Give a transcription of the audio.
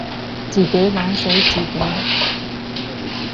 自己玩死自己